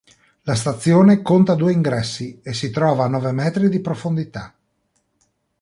La stazione conta due ingressi, e si trova a nove metri di profondità.